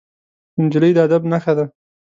نجلۍ د ادب نښه ده.